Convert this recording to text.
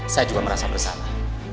saya juga merasa bersama